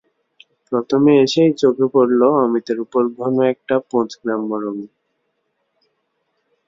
প্রথমে এসেই চোখে পড়ল অমিতর উপর ঘন এক পোঁচ গ্রাম্য রঙ।